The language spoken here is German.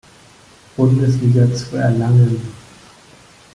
Bundesliga zu erlangen.